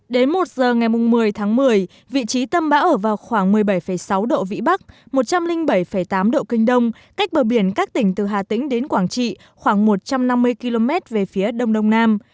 đến một giờ ngày một mươi tháng một mươi vị trí tâm bão ở vào khoảng một mươi bảy sáu độ vĩ bắc một trăm linh bảy tám độ kinh đông cách bờ biển các tỉnh từ hà tĩnh đến quảng trị khoảng một trăm năm mươi km về phía đông đông nam